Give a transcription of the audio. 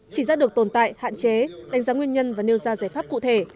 chỉ ra được tồn tại hạn chế đánh giá nguyên nhân và nêu ra giải pháp cụ thể